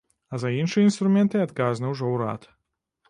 А за іншыя інструменты адказны ўжо ўрад.